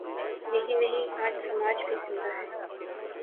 یہی نہیں، آج سماج بھی زندہ ہے۔